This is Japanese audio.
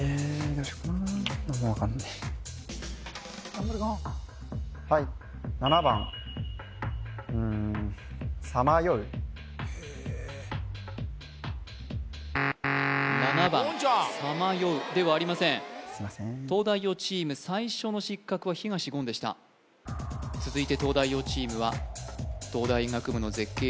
頑張れ言はいへえ７番さまようではありませんすいません東大王チーム最初の失格は東言でした続いて東大王チームは東大医学部の絶景